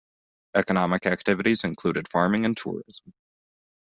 Economic activities included farming and tourism.